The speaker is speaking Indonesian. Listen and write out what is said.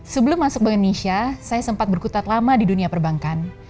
sebelum masuk ke indonesia saya sempat berkutat lama di dunia perbankan